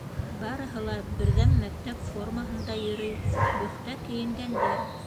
Барыһы ла берҙәм мәктәп формаһында йөрөй, бөхтә кейенгәндәр.